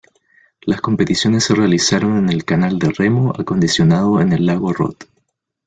Las competiciones se realizaron en el canal de remo acondicionado en el lago Rot.